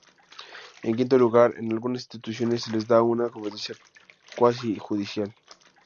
En quinto lugar, a algunas instituciones se les da una competencia cuasi judicial.